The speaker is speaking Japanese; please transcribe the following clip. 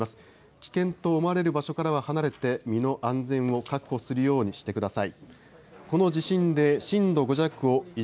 危険と思われる場所から離れて身の安全を確保するようにしてください。